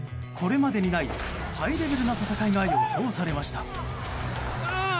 これまでにない、ハイレベルな戦いが予想されました。